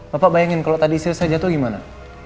bapak bayangin kalau tadi istri saya jatuh gimana